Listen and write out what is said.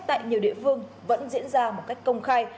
tại nhiều địa phương vẫn diễn ra một cách công khai